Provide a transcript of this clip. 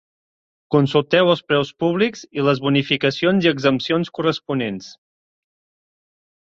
Consulteu els preus públics i les bonificacions i exempcions corresponents.